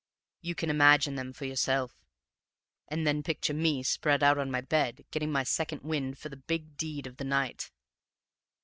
You can imagine them for yourself, and then picture me spread out on my bed, getting my second wind for the big deed of the night.